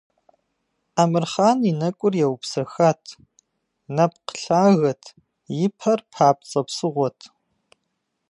Амырхъан и нэӀур еупсэхат, нэпкъ лъагэт, и пэр папцӀэ псыгъуэт.